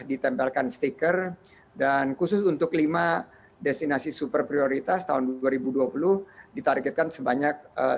ditempelkan stiker dan khusus untuk lima destinasi super prioritas tahun dua ribu dua puluh ditargetkan sebanyak